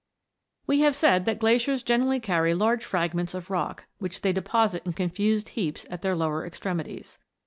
We have said that glaciers generally carry large fragments of rock, which they deposit in confused heaps at their lower extremities.